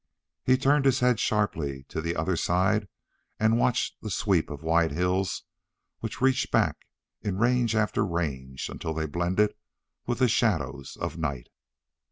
He turned his head sharply to the other side and watched the sweep of white hills which reached back in range after range until they blended with the shadows of night.